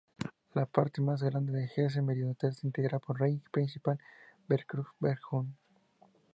La parte más grande del Hesse meridional se integra en el Rhein-Principal-Verkehrsverbund.